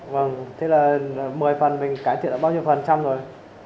vâng thế là một mươi phần mình cải thiện được bao nhiêu phần trăm rồi